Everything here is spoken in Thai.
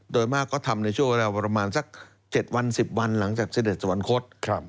โดยมากก็ทำในช่วงเวลาประมาณสัก๗วัน๑๐วันหลังจากเสด็จสวรรคต